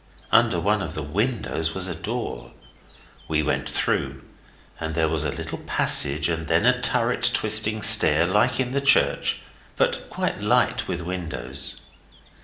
Under one of the windows was a door. We went through, and there was a little passage and then a turret twisting stair, like in the church, but quite light with windows.